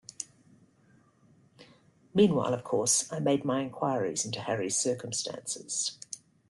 Meanwhile, of course, I made my inquiries into Harry's circumstances.